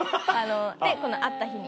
でこの会った日に。